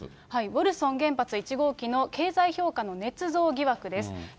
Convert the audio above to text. ウォルソン原発１号機の経済評価のねつ造疑惑です。